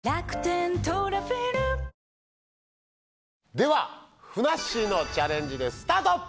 ではふなっしーのチャレンジですスタート。